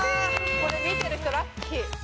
これ見てる人ラッキー。